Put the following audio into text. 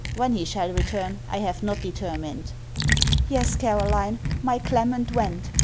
When he shall return, I have not determined.' Yes, Caroline, my Clement went.